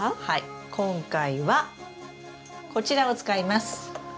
はい今回はこちらを使います。